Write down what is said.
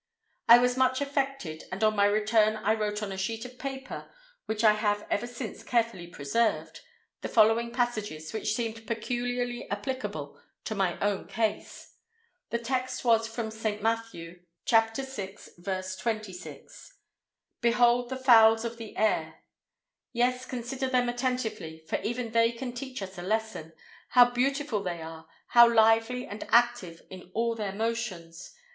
I was much affected, and on my return I wrote on a sheet of paper (which I have ever since carefully preserved), the following passages, which seemed peculiarly applicable to my own case. The text was from St. Matthew vi. 26, 'Behold the fowls of the air.'—'Yes, consider them attentively, for even they can teach us a lesson. How beautiful they are! how lively and active in all their motions!